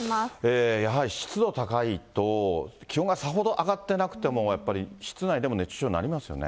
やはり湿度高いと、気温がさほど上がってなくても、やっぱり室内でも熱中症になりますよね。